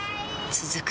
続く